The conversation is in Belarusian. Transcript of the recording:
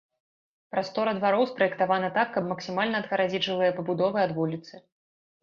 Прастора двароў спраектавана так, каб максімальна адгарадзіць жылыя пабудовы ад вуліцы.